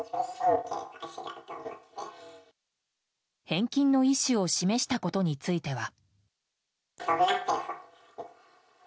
返金の意思を示したことについては。